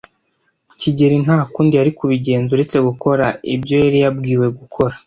kigeli nta kundi yari kubigenza uretse gukora ibyo yari yabwiwe gukora.